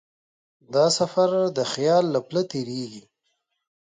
دا سفر د خیال له پله تېرېږي.